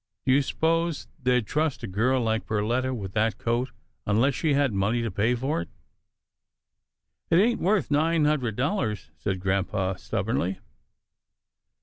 Do you s'pose they'd trust a girl like Perletta, with that coat, unless she had money to pay for it?" " It ain't worth nine hundred dollars," said grampa stubbornly.